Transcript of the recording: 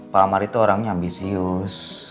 pak amar itu orangnya ambisius